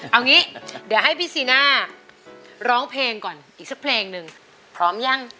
เอางี้เดี๋ยวให้พี่ซีน่าร้องเพลงก่อนอีกสักเพลงหนึ่งพร้อมยัง